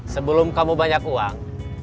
sebelum kamu banyak uang